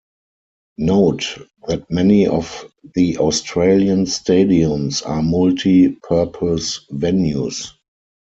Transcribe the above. Note that many of the Australian stadiums are multi-purpose venues.